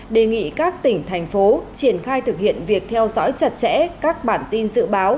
đề nghị các tỉnh thành phố triển khai thực hiện việc theo dõi chặt chẽ các bản tin dự báo